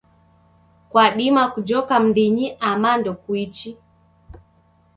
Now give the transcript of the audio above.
Kwadima kujoka mdinyi ama ndekuichi?